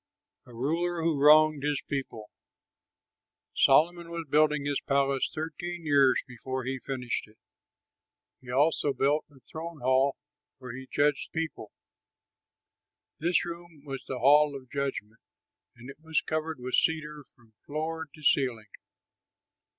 A RULER WHO WRONGED HIS PEOPLE Solomon was building his palace thirteen years before he finished it. He also built the throne hall where he judged the people. This room was the Hall of Judgment; and it was covered with cedar from floor to ceiling.